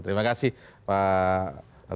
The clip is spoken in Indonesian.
terima kasih pak